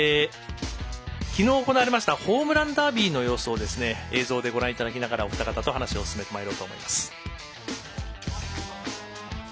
きのう行われましたホームランダービーの様子を映像でご覧いただきながらお二人と話を進めていきます。